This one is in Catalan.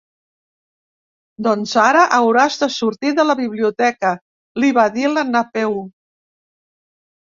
Doncs ara hauràs de sortir de la biblioteca —li va dir la Napeu.